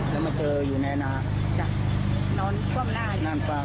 แล้วมาเจออยู่ในอนาจ้ะนอนคว่ำหน้าอยู่